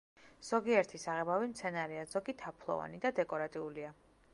ზოგიერთი საღებავი მცენარეა, ზოგი თაფლოვანი და დეკორატიულია.